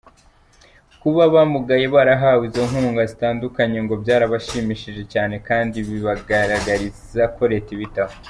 Kuba abamugaye barahawe izo nkunga zitandukanye ngo byarabashimishije cyane, kandi bibagaragariza ko Leta ibitaho.